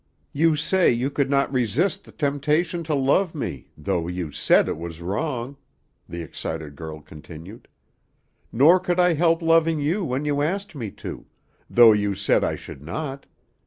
"You say you could not resist the temptation to love me, though you said it was wrong," the excited girl continued. "Nor could I help loving you when you asked me to, though you said I should not.